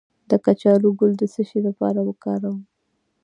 د کچالو ګل د څه لپاره وکاروم؟